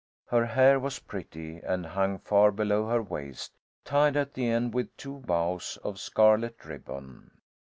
Her hair was pretty, and hung far below her waist, tied at the end with two bows of scarlet ribbon.